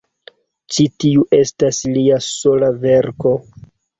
Ĉi tiu estas lia sola verko.